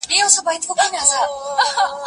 هغه څوک چي مينه څرګندوي مهربان وي؟